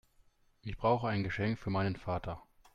Ich brauche ein Geschenk für meinen Vater.